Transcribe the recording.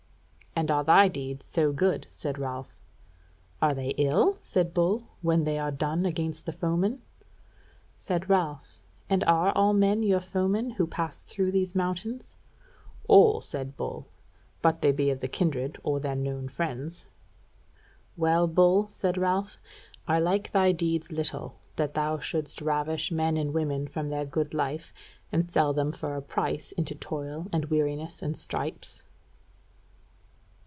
"And are thy deeds so good?" said Ralph. "Are they ill," said Bull, "when they are done against the foemen?" Said Ralph: "And are all men your foemen who pass through these mountains?" "All," said Bull, "but they be of the kindred or their known friends." "Well, Bull," said Ralph, "I like thy deeds little, that thou shouldest ravish men and women from their good life, and sell them for a price into toil and weariness and stripes."